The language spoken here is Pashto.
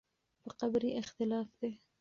په قبر یې اختلاف دی.